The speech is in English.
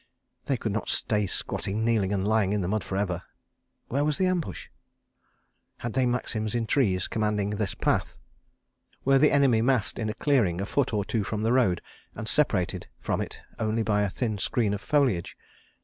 ... They could not stay squatting, kneeling and lying in the mud for ever. ... Where was the ambush? ... Had they Maxims in trees, commanding this path? ... Were the enemy massed in a clearing a foot or two from the road, and separated from it only by a thin screen of foliage?